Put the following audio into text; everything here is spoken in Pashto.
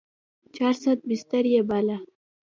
چارصد بستر يې باله.